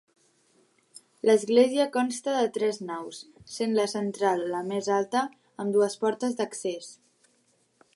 L'església consta de tres naus, sent la central la més alta, amb dues portes d'accés.